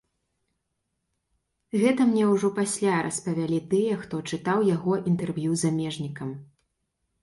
Гэта мне ўжо пасля распавялі тыя, хто чытаў яго інтэрв'ю замежнікам.